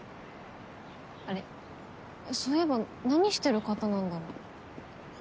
あれそういえば何してる方なんだろ。